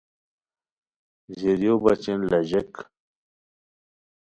ژیریو بچین لاژیک